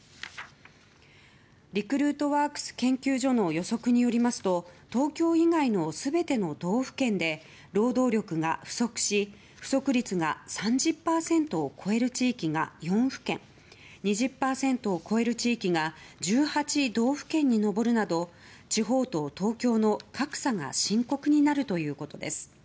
リクルートワークス研究所の予測によりますと東京以外の全ての道府県で労働力が不足し不足率が３０％を超える地域が４府県２０％を超える地域が１８道府県に上るなど地方と東京の格差が深刻になるということです。